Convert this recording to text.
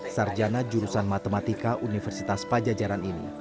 sarjana jurusan matematika universitas pajajaran ini